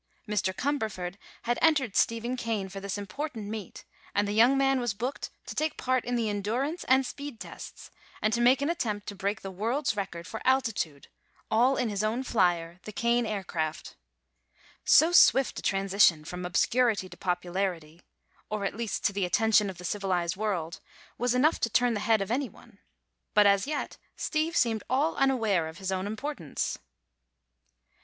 Mr. Cumberford had entered Stephen Kane for this important meet and the young man was booked to take part in the endurance and speed tests and to make an attempt to break the world's record for altitude—all in his own flyer, the Kane Aircraft. So swift a transition from obscurity to popularity—or at least to the attention of the civilized world—was enough to turn the head of anyone; but as yet Steve seemed all unaware of his own importance.